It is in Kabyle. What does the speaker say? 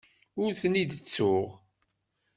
Ur ten-id-ttessuɣ.